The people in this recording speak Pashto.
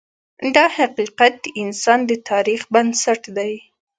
دا حقیقت د انسان د تاریخ بنسټ دی.